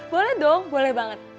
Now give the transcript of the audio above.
boleh dong boleh banget